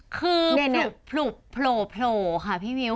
คือผลุบโผล่ค่ะพี่มิ้ว